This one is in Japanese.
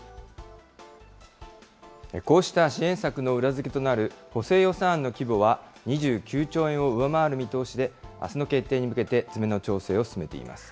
こうした支援策の裏付けとなる補正予算案の規模は２９兆円を上回る見通しで、あすの決定に向けて詰めの調整を進めています。